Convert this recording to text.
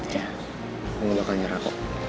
ya kamu bakal nyerah kok